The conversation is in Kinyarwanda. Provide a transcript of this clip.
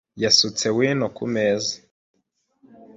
Yasutse wino ku meza .